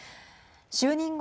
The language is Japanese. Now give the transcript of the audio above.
就任後